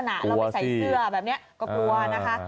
เราไม่ใส่เสื้อแบบนี้ก็กลัวนะคะ